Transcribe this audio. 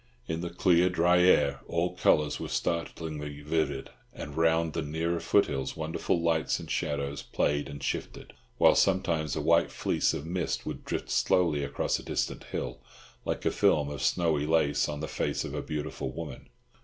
In the clear, dry air all colours were startlingly vivid, and round the nearer foothills wonderful lights and shadows played and shifted, while sometimes a white fleece of mist would drift slowly across a distant hill, like a film of snowy lace on the face of a beautiful woman.